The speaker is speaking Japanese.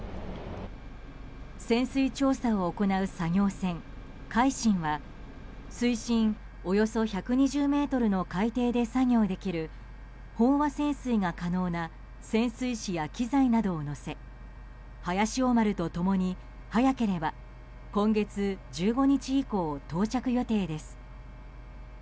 潜水調査を行う作業船「海進」は水深およそ１２０ｍの海底で作業できる飽和潜水が可能な潜水士や機材などを乗せ「早潮丸」と共に早ければ今月１５日以降到着予定です。